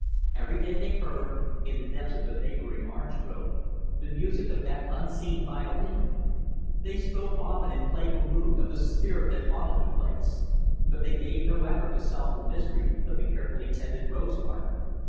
Every day, they heard, in the depths of the neighboring orange grove, the music of that unseen violin. They spoke, often, in playful mood, of the spirit that haunted the place; but they made no effort to solve the mystery of the carefully tended rose garden.